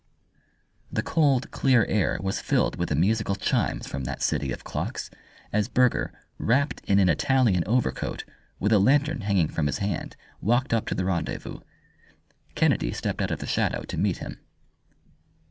The cold, clear air was filled with the musical chimes from that city of clocks as Burger, wrapped in an Italian overcoat, with a lantern hanging from his hand, walked up to the rendezvous. Kennedy stepped out of the shadow to meet him.